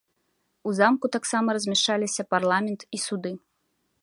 У замку таксама размяшчаліся парламент і суды.